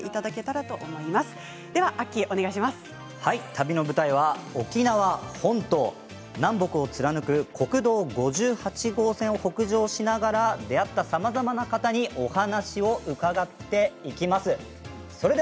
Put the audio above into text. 旅の舞台は沖縄本島南北を貫く国道５８号線を北上しながら出会ったさまざまな方にお話を伺っていきます。